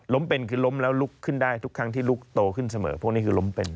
เป็นคือล้มแล้วลุกขึ้นได้ทุกครั้งที่ลุกโตขึ้นเสมอพวกนี้คือล้มเป็น